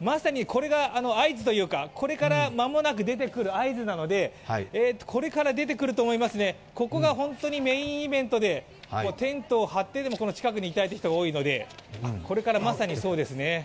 まさにこれが合図というかこれから間もなく出てくる合図なので、これから出てくると思います、ここが本当にメインイベントでテントを張ってでもこの近くにいたいという人も多いのでこれからまさにそうですね。